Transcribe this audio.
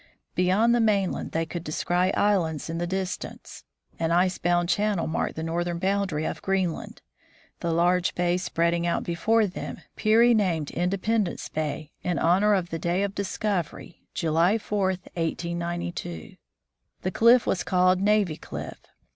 Beyond the mainland they could descry islands in the distance. An icebound channel marked the northern boundary of Greenland. The large bay spreading out before them Peary named Independence bay, in honor of the day of discovery, July 4, 1892. The cliff was called Navy cliff.